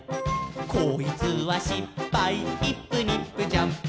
「こいつはしっぱいイップニップジャンプ」